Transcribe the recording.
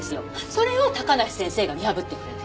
それを高梨先生が見破ってくれて。